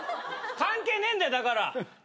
関係ねえんだよだから。